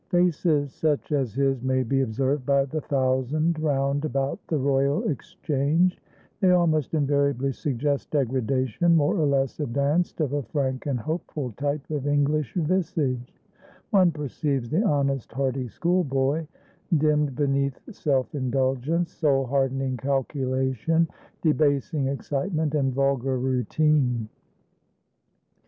Faces such as his may be observed by the thousand round about the Royal Exchange; they almost invariably suggest degradation, more or less advanced, of a frank and hopeful type of English visage; one perceives the honest, hearty schoolboy, dimmed beneath self indulgence, soul hardening calculation, debasing excitement and vulgar routine.